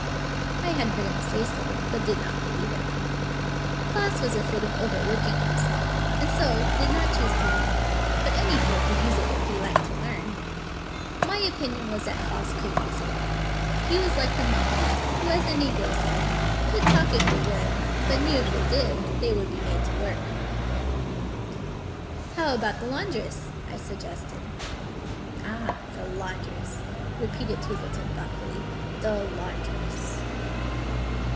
I had heard him say so, but did not believe it. Foss 297 English Mystery Stories was afraid of overworking himself, and so did not choose to learn it, but any fool could use it if he liked to learn. My opinion was that Foss could use it. He was like the monkeys, who, as the negro said, " could talk if they would, but knew if they did they would be made to work." "How about the laundress?" I suggested. "Ah! the laundress," repeated Twistleton thoughtfully; "the laundress."